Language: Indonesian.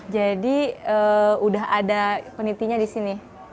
jadi sudah ada penitinya di sini